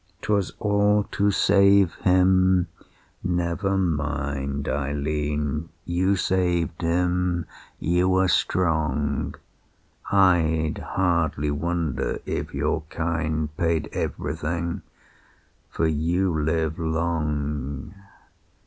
"'Twas all to save him? Never mind, Eileen. You saved him. You are strong. I'd hardly wonder if your kind Paid everything, for you live long.